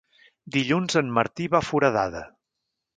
Dilluns en Martí va a Foradada.